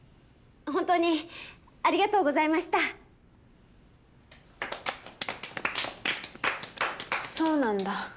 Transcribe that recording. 本当にありがとうございましたそうなんだ